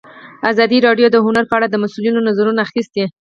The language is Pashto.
ازادي راډیو د هنر په اړه د مسؤلینو نظرونه اخیستي.